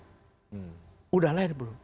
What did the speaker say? sudah lahir belum